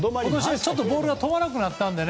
今年、ちょっとボールが飛ばなくなったので。